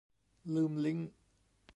ลืมลิงก์